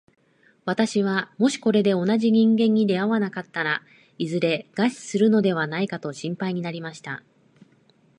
私はもしこれで同じ人間に出会わなかったら、いずれ餓死するのではないかと心配になりました。